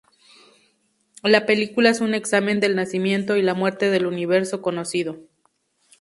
La película es un examen del nacimiento y la muerte del universo conocido.